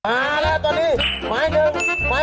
สมัครข่าวเด็กเย้